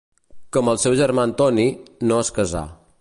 Com el seu germà Antoni, no es casà.